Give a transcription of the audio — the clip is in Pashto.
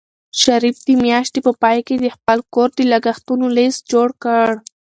شریف د میاشتې په پای کې د خپل کور د لګښتونو لیست جوړ کړ.